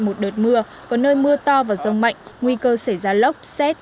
một đợt mưa có nơi mưa to và rông mạnh nguy cơ xảy ra lốc xét